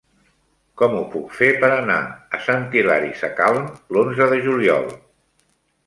Com ho puc fer per anar a Sant Hilari Sacalm l'onze de juliol?